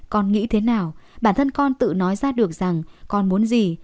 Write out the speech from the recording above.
con nghĩ thế nào bản thân con tự nói ra được rằng con muốn gì